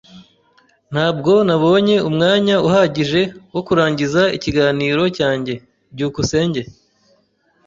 Ntabwo nabonye umwanya uhagije wo kurangiza ikiganiro cyanjye. byukusenge